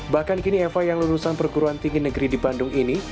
bahkan kini eva yang lulusan perguruan tinggi negeri di bandung ini